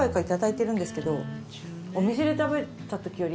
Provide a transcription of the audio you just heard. お店で食べたときより。